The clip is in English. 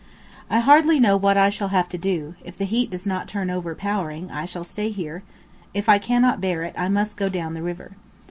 I hardly know what I shall have to do. If the heat does not turn out overpowering, I shall stay here; if I cannot bear it, I must go down the river.